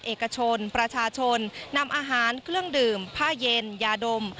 เอกชนประชาชนนำอาหารเครื่องดื่มผ้าเย็นยาดม